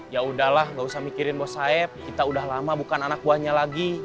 ya udahlah gak usah mikirin bos saib kita udah lama bukan anak buahnya lagi